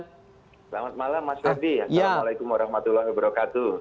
selamat malam mas ferdi assalamualaikum warahmatullahi wabarakatuh